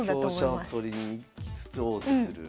香車を取りに行きつつ王手する。